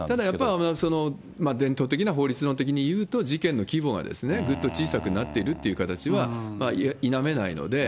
例えば伝統的な法律論的に言うと、事件の規模はぐっと小さくなってるという形は否めないので。